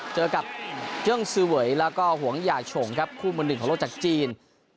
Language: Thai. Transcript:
เจอกับเชื่องสื่อเวย์แล้วก็ห่วงหญ่าโฉงครับคู่มนุษย์๑ของโลกจากจีน